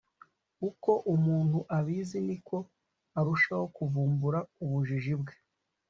uko umuntu abizi, niko arushaho kuvumbura ubujiji bwe